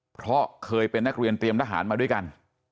เพราะเคยเป็นนักเรียนเตรียมทหารมาด้วยกัน